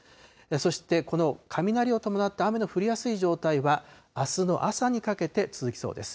そして、この雷を伴った雨の降りやすい状態は、あすの朝にかけて続きそうです。